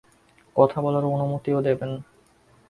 কথা বলার অনুমতিও দেবেন।